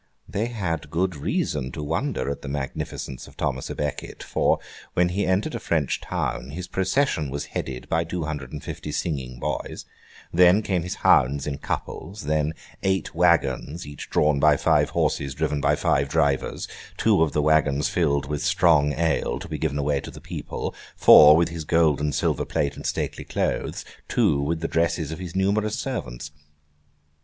They had good reason to wonder at the magnificence of Thomas à Becket, for, when he entered a French town, his procession was headed by two hundred and fifty singing boys; then, came his hounds in couples; then, eight waggons, each drawn by five horses driven by five drivers: two of the waggons filled with strong ale to be given away to the people; four, with his gold and silver plate and stately clothes; two, with the dresses of his numerous servants.